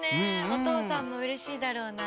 おとうさんもうれしいだろうな。